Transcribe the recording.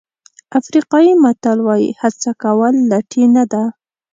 افریقایي متل وایي هڅه کول لټي نه ده.